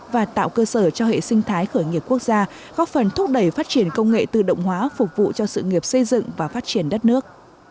và tạo cơ sở cho hệ sinh thái khởi nghiệp quốc gia góp phần thúc đẩy phát triển công nghệ tự động hóa phục vụ cho sự nghiệp xây dựng và phát triển đất nước